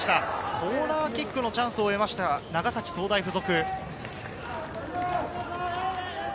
コーナーキックのチャンスを得ました長崎総大附属。